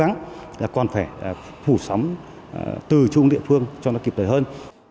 và chúng ta còn phải phủ sóng từ chung địa phương cho nó kịp tới hơn